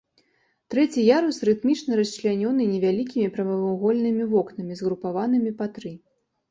Трэці ярус рытмічна расчлянёны невялікімі прамавугольнымі вокнамі, згрупаванымі па тры.